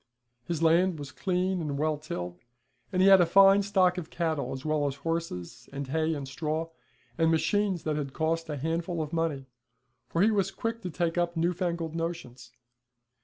His land was clean and well tilled, and he had a fine stock of cattle as well as horses, and hay, and straw, and machines that had cost a handful of money, for he was quick to take up new fangled notions.